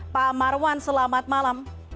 pak marwan selamat malam